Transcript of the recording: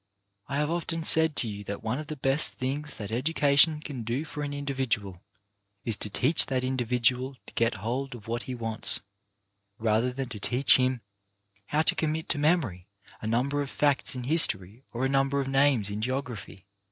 I have often said to you that one of the best things that education can do for an individual is to teach that individual to get hold of what he wants, rather than to teach him how to commit THE HIGHEST EDUCATION 113 to memory a number of facts in history or a num ber of names in geography.